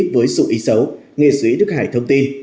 với su ý xấu nghệ sĩ đức hải thông tin